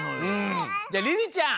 じゃあリリちゃん。